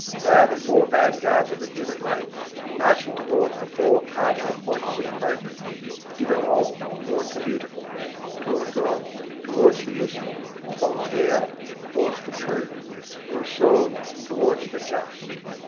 They are the four vanguards of the human race, marching towards the four cardinal points of progress. Diderot towards the beautiful, Turgot towards the useful, Voltaire towards the true, Rousseau towards the just.